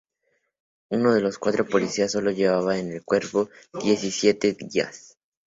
Uno de los cuatro policías sólo llevaba en el cuerpo diecisiete días.